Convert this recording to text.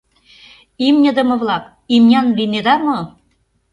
ИМНЬЫДЫМЕ-ВЛАК, ИМНЯН ЛИЙНЕДА МО?